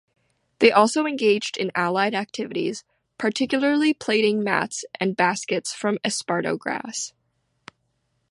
They also engaged in allied activities, particularly plaiting mats and baskets from esparto grass.